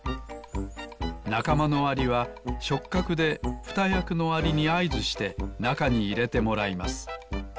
なかまのアリはしょっかくでふたやくのアリにあいずしてなかにいれてもらいます。